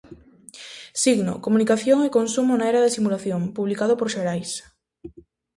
Signo, comunicación e consumo na era da simulación, publicado por Xerais.